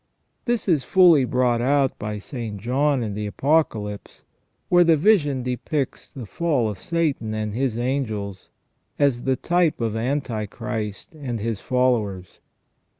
This is fully brought out by St. John in the Apocalypse, where the vision depicts the fall of Satan and his angels as the type of Antichrist and his followers.